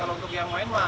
kalau untuk yang lain mah